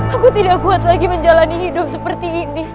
aku tidak kuat lagi menjalani hidup seperti ini